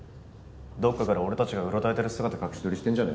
どっかから俺たちがうろたえてる姿隠し撮りしてんじゃね？